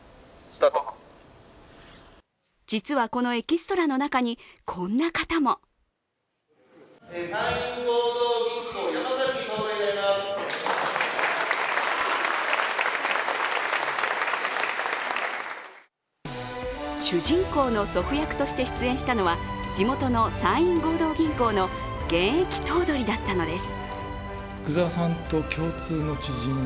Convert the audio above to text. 実は、このエキストラの中にこんな方も主人公の祖父役として出演したのは、地元の山陰合同銀行の現役頭取だったのです。